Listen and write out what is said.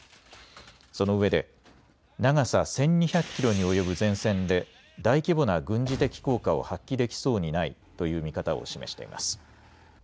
そのうえで長さ１２００キロに及ぶ前線で大規模な軍事的効果を発揮できそうにないという見方を示しています。